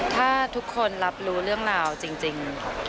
ถ้าทุกคนรับรู้เรื่องราวจริง